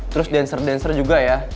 terus dancer dancer juga ya